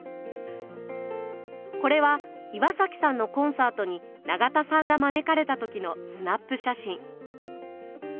これは岩崎さんのコンサートに永田さんが招かれた時のスナップ写真。